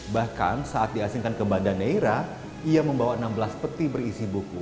bahkan saat diasingkan ke banda neira ia membawa enam belas peti berisi buku